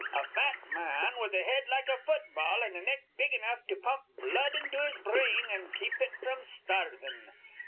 A fat ma an, with a head like a football an' a neck big enough to pump blood into his brain an' keep it fr'm starvin'.